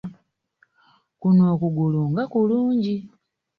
Kuno okugulu nga kulungi!